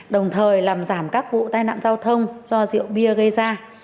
đồng thời làm giảm các vụ tai nạn giao thông do rượu bia gây ra